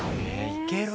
いける？